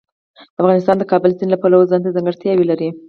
افغانستان د کابل سیند له پلوه ځانته ځانګړتیاوې لري.